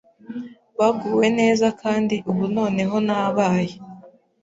baguwe neza kandi ubu noneho nabaye